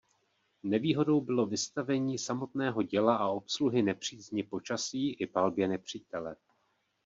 Nevýhodou bylo vystavení samotného děla a obsluhy nepřízni počasí i palbě nepřítele.